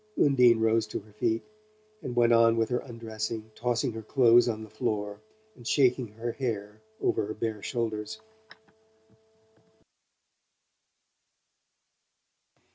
Undine rose to her feet and went on with her undressing, tossing her clothes on the floor and shaking her hair over her bare shoulders.